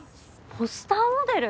ポスターモデル？